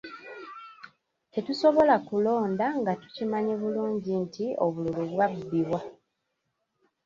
Tetusobola kulonda nga tukimanyi bulungi nti obululu bwabbibwa.